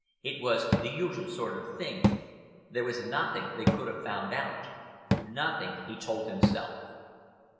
It was the usual sort of thing. There was nothing they could have found out—nothing, he told himself.